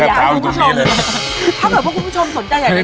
ถ้าเผื่อคุณผู้ชมขนตายอยากจะดิน